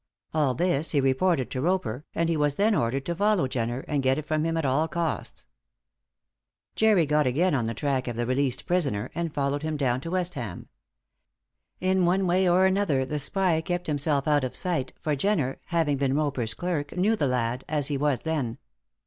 All this he reported to Roper, and he was then ordered to follow Jenner, and get it from him at all costs. Jerry got again on the track of the released prisoner, and followed him down to Westham. In one way or another the spy kept himself out of sight, for Jenner, having been Roper's clerk, knew the lad as he then was.